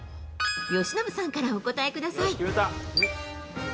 由伸さんからお答えください。